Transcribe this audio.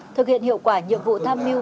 thực hiện hiệu quả nhiệm vụ tham mưu